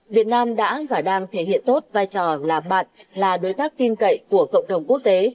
việt nam đã và đang thể hiện tốt vai trò là bạn là đối tác tin cậy của cộng đồng quốc tế